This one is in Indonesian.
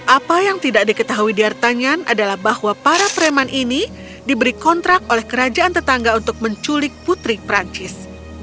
apa yang tidak diketahui diartanyan adalah bahwa para preman ini diberi kontrak oleh kerajaan tetangga untuk menculik putri perancis